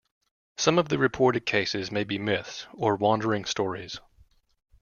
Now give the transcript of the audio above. Some of the reported cases may be myths, or wandering stories.